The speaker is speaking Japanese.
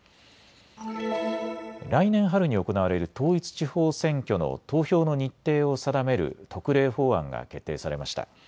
来年春に行われる統一地方選挙の投票の日程を定める特例法案が決定されました。